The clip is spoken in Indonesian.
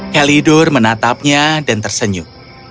kalidor menatapnya dan tersenyum